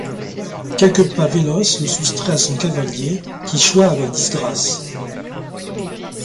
Quelques pas véloces le soustraient à son cavalier, qui choit avec disgrâce.